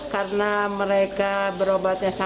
karena mereka berobatnya sangat baik